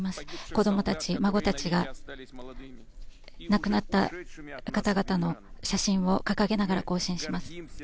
子供たち、孫たちが亡くなった方々の写真を掲げながら行進します。